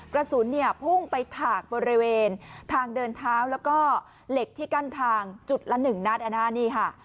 กระสุนเนี่ยพุ่งไปถากบริเวณทางเดินเท้าแล้วก็เหล็กที่กั้นทางจุดละ๑นัดนี่ค่ะ